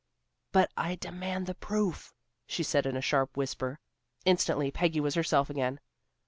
"'But I demand the proof,'" she said in a sharp whisper. Instantly Peggy was herself again.